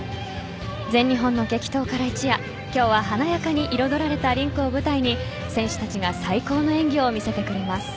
全日本の激闘から一夜、今日は華やかに彩られたリンクを舞台に選手たちが最高の演技を見せてくれます。